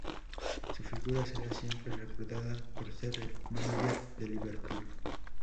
Su figura será siempre recordada por ser el "mánager" del Liverpool.